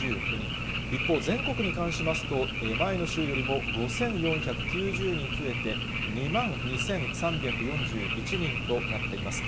一方、全国に関しますと、前の週よりも５４９０人増えて２万２３４１人となっています。